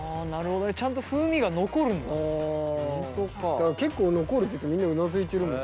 だから結構残るって言ってみんなうなずいてる。